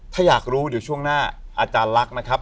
ถ้าอยากรู้เดี๋ยวช่วงหน้าอาจารย์ลักษณ์นะครับ